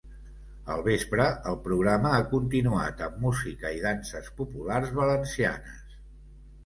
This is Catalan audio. Al vespre, el programa ha continuat amb música i danses populars valencianes.